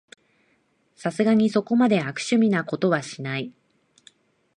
さすがにそこまで悪趣味なことはしない